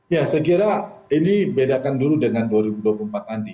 ya saya kira ini bedakan dulu dengan dua ribu dua puluh empat nanti